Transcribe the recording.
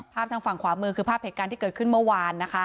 ทางฝั่งขวามือคือภาพเหตุการณ์ที่เกิดขึ้นเมื่อวานนะคะ